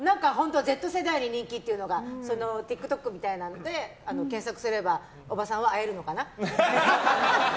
Ｚ世代に人気っていうのがＴｉｋＴｏｋみたいなので検索すればおばさんは会えるのかな？